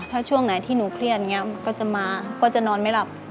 ถ้าช่วงไหนที่หนูเครียดอย่างนี้ก็จะมาก็จะนอนไม่หลับ